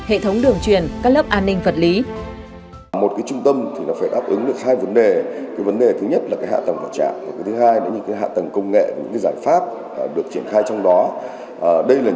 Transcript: hệ thống đường truyền các lớp an ninh vật lý